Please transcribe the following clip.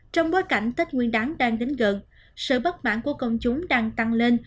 trong bối cảnh tết nguyên đáng đang đến gần sự bất mãn của công chúng đang tăng lên